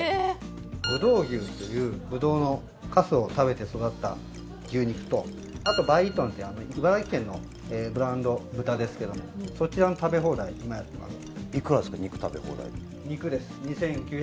葡萄牛という、ブドウのかすを食べて育った牛肉とあと、梅里豚という茨城県のブランド豚ですけどもそちらの食べ放題今やっています。